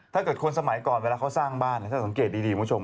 ถ้าเกิดคนสมัยก่อนเวลาเขาสร้างบ้านถ้าสังเกตดีคุณผู้ชม